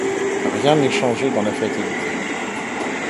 Rien n’est changé dans la fatalité.